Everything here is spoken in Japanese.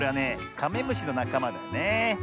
カメムシのなかまだね。